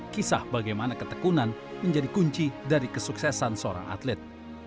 kisah bagaimana ketekunan menjadi kunci dari kesuksesan seorang atlet